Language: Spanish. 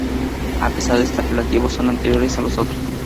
A pesar de este apelativo, son anteriores a los otros.